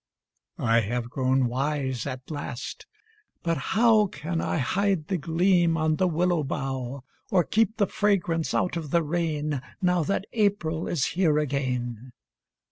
I have grown wise at last but how Can I hide the gleam on the willow bough, Or keep the fragrance out of the rain Now that April is here again?